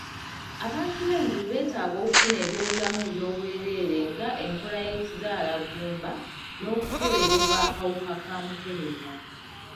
Abantu b'engulu beetaga okufuna ebyobulamu eby'obwereere nga enkola y'ekizaala ggumba n'okukeberebwa akawuka ka mukeenenya.